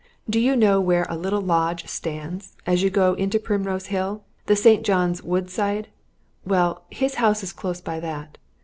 Do you know where a little lodge stands, as you go into Primrose Hill, the St. John's Wood side? Well, his house is close by that.